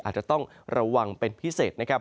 อาจจะต้องระวังเป็นพิเศษนะครับ